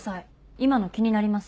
今の気になります